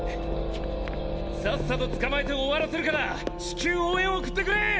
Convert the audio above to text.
さっさと捕まえて終わらせるから至急応援を送ってくれ！